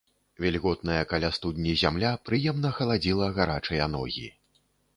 Вільготная каля студні зямля прыемна халадзіла гарачыя ногі.